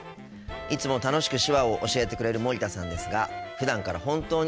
いつも楽しく手話を教えてくれる森田さんですがふだんから本当に表現力が豊かなんです。